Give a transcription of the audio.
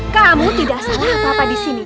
kamu tidak salah apa apa di sini